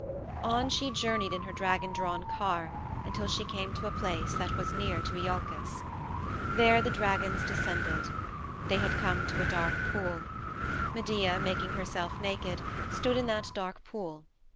On she journeyed in her dragon drawn car until she came to a place that was near to Iolcus. There the dragons descended. They had come to a dark pool. Medea, making herself naked, stood in that dark pool.